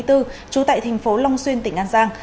trú tại thành phố long xuyên tỉnh an giang